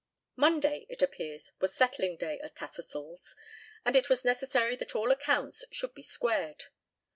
Monday, it appears, was settling day at Tattersall's, and it was necessary that all accounts should be squared.